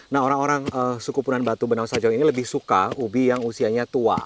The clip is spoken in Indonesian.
nah orang orang suku punan batu benau sajau ini lebih suka ubi yang usianya tua